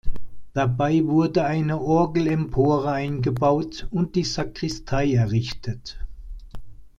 Dabei wurde eine Orgelempore eingebaut und die Sakristei errichtet.